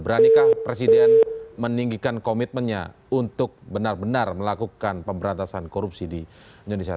beranikah presiden meninggikan komitmennya untuk benar benar melakukan pemberantasan korupsi di indonesia